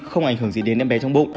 không ảnh hưởng gì đến em bé trong bụng